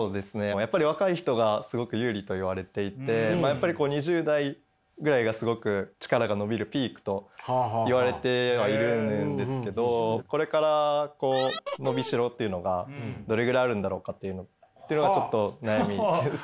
やっぱり若い人がすごく有利といわれていて２０代ぐらいがすごく力が伸びるピークといわれてはいるんですけどこれから伸びしろっていうのがどれぐらいあるんだろうかっていうのがちょっと悩みです。